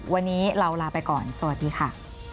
วันนี้เราลาไปก่อนสวัสดีค่ะ